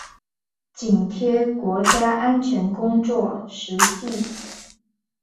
紧贴国家安全工作实际